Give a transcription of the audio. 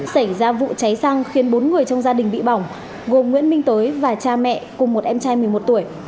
xảy ra vụ cháy xăng khiến bốn người trong gia đình bị bỏng gồm nguyễn minh tối và cha mẹ cùng một em trai một mươi một tuổi